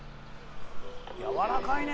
「やわらかいね！」